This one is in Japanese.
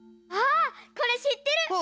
あっこれしってる！